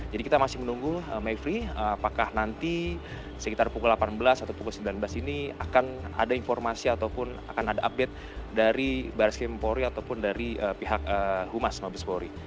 jadi kita masih menunggu mayfri apakah nanti sekitar pukul delapan belas atau pukul sembilan belas ini akan ada informasi ataupun akan ada update dari baris kimpori ataupun dari pihak humas mobil spori